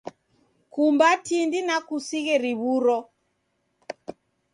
kumba tindi na kusighe riw'uro.